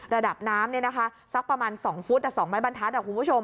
ระดับน้ำสักประมาณ๒ฟุต๒ไม้บรรทัศนคุณผู้ชม